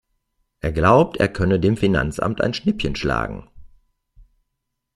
Er glaubt, er könne dem Finanzamt ein Schnippchen schlagen.